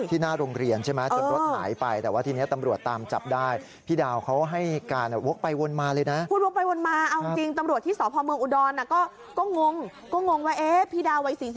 ที่หน้าโรงเรียนจนรถหายไปแต่ว่าทีนี้